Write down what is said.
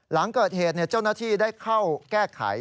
หลังเกิดเหตุเจ้าหน้าที่ได้เข้าแก้ไข